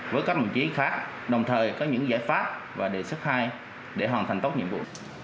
với các đồng chí khác đồng thời có những giải pháp và đề xuất hai để hoàn thành tốt nhiệm vụ